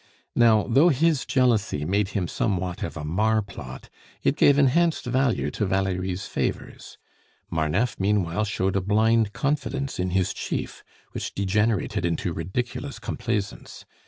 Now, though his jealousy made him somewhat of a marplot, it gave enhanced value to Valerie's favors. Marneffe meanwhile showed a blind confidence in his chief, which degenerated into ridiculous complaisance.